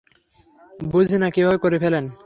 বুঝিনা কীভাবে করে ফেলেন।